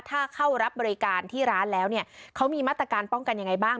ถ้าเข้ารับบริการที่ร้านแล้วเนี่ยเขามีมาตรการป้องกันยังไงบ้าง